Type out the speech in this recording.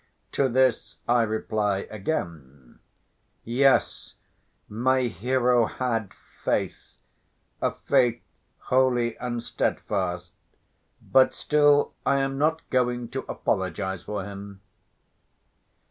To this I reply again, "Yes! my hero had faith, a faith holy and steadfast, but still I am not going to apologize for him."